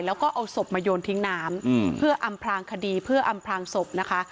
แล้วก็เอาศพมาโยนทิ้งน้ำเพื่ออำพลางคดีเพื่ออำพลางศพนะคะ